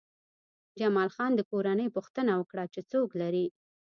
جمال خان د کورنۍ پوښتنه وکړه چې څوک لرې